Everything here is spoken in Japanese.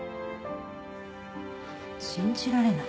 信じられない。